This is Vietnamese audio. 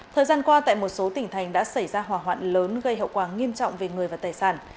thời gian qua tại một số tỉnh thành đã xảy ra hỏa hoạn lớn gây hậu quả nghiêm trọng về người và tài sản